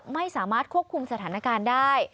ไม่สามารถควบคุมสถานการณ์ได้